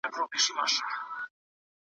باید د مطالعې عادتونه خپل کړو.